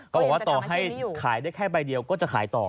บอกว่าต่อให้ขายได้แค่ใบเดียวก็จะขายต่อ